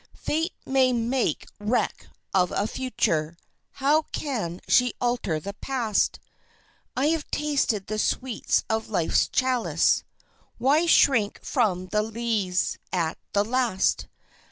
Fate may make wreck of a future how can she alter the past? I have tasted the sweets of life's chalice why shrink from the lees at the last?